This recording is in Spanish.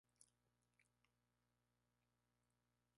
Es presentado como un soldado más.